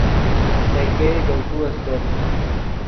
تے ګئے دے کو استت